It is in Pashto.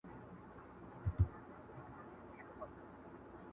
خپلوۍ سوې ختمي غريبۍ خبره ورانه سوله.